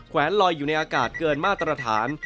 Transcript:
แวนลอยอยู่ในอากาศเกินมาตรฐาน